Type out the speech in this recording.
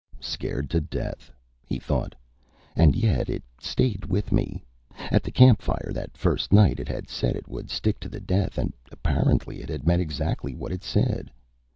Scared to death, he thought, and yet it stayed with me. At the campfire that first night, it had said it would stick to the death and apparently it had meant exactly what it said.